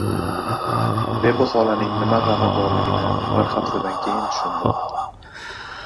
Zebi xolaning nima g‘ami borligini bir haftadan keyin tushundim.